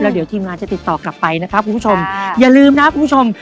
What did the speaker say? เดี๋ยวทีมงานจะติดต่อกลับไปนะครับคุณผู้ชมอย่าลืมนะคุณผู้ชม